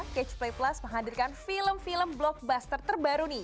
catch play plus menghadirkan film film blockbuster terbaru nih